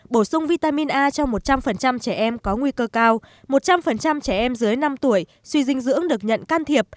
bổ sung vitamin a cho một trăm linh trẻ em có nguy cơ cao một trăm linh trẻ em dưới năm tuổi suy dinh dưỡng được nhận can thiệp